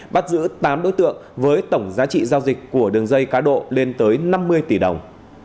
bắt giữ tám đối tượng với tổng giá trị giao dịch của đường dây cá độ lên tới năm mươi tỷ đồng